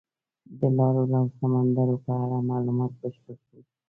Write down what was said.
د لارو او سمندرونو په اړه معلومات بشپړ شول.